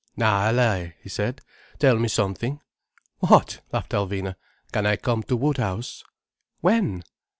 "Na, Allaye," he said, "tell me something." "What?" laughed Alvina. "Can I come to Woodhouse?" "When?"